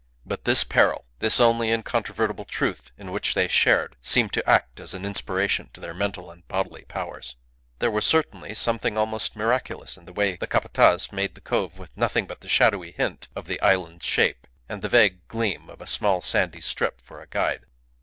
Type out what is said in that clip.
But this peril, this only incontrovertible truth in which they shared, seemed to act as an inspiration to their mental and bodily powers. There was certainly something almost miraculous in the way the Capataz made the cove with nothing but the shadowy hint of the island's shape and the vague gleam of a small sandy strip for a guide.